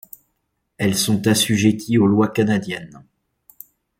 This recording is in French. Elles sont assujetties aux lois canadiennes.